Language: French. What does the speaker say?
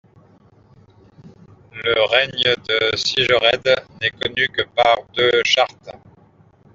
Le règne de Sigered n'est connu que par deux chartes.